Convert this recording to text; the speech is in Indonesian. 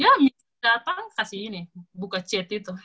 ya datang kasih ini buka chat itu